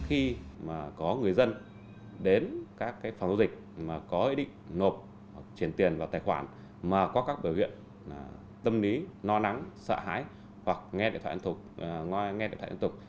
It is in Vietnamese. khi mà có người dân đến các phòng giao dịch mà có ý định ngộp chuyển tiền vào tài khoản mà có các biểu hiện tâm lý no nắng sợ hãi hoặc nghe điện thoại ấn tục